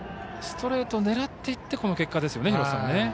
ストレート狙っていってこの結果ですね。